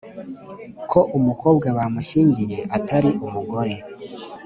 ko umukobwa bamushyingiye atari umugore